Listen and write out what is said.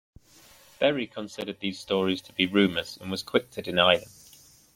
Berry considered these stories to be rumors and was quick to deny them.